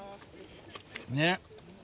ねっ。